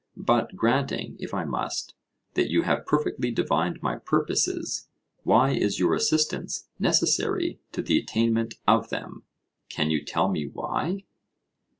But granting, if I must, that you have perfectly divined my purposes, why is your assistance necessary to the attainment of them? Can you tell me why?